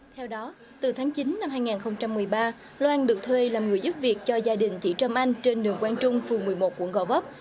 theo đó từ tháng chín năm hai nghìn một mươi ba loan được thuê làm người giúp việc cho gia đình chị trâm anh trên đường quang trung phường một mươi một quận gò vấp